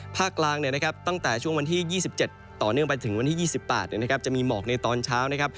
ภาคกลางตั้งแต่ช่วงวันที่๒๗ต่อเนื่องไปถึงวันที่๒๘จะมีหมอกในตอนเช้านะครับ